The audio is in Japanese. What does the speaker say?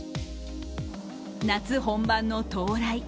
夏本番の到来。